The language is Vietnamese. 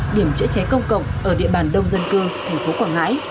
điểm chữa cháy công cộng ở địa bàn đông dân cư thành phố quảng ngãi